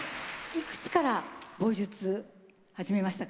いくつから棒術始めましたか？